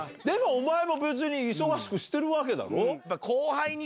でもお前も忙しくしてるわけだろ？